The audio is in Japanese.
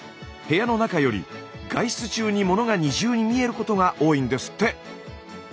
部屋の中より外出中にものが２重に見えることが多いんですって。